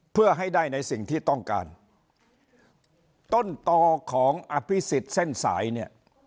เพื่อให้ได้ในสิ่งที่ต้องการต้นต่อของอภิษฎเส้นสายเนี่ย